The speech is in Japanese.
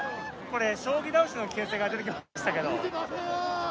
これ将棋倒しの危険性が出てきましたけど。